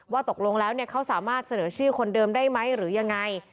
ตกลงแล้วเขาสามารถเสนอชื่อคนเดิมได้ไหมหรือยังไง